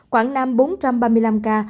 quảng nam bốn trăm ba mươi năm ca